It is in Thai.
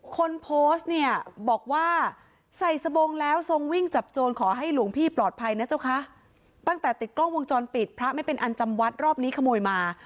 คนโพสต์เนี่ยบอกว่าใส่สบงแล้วทรงวิ่งจับโจรขอให้หลวงพี่ปลอดภัยนะเจ้าคะตั้งแต่ติดกล้องวงจรปิดพระไม่เป็นอันจำวัดรอบนี้ขโมยมา